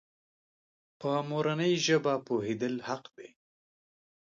په مورنۍ ژبه پوهېدل حق دی.